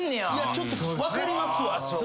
ちょっと分かりますわ。